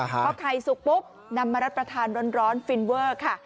พอไข่สุกปุ๊บนำมารับประทานร้อนฟินเวอร์ค่ะ